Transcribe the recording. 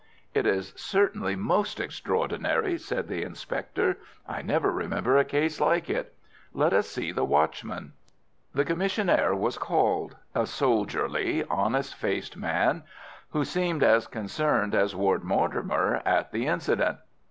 "It is certainly most extraordinary," said the inspector. "I never remember a case like it. Let us see the watchman." The commissionaire was called—a soldierly, honest faced man, who seemed as concerned as Ward Mortimer at the incident.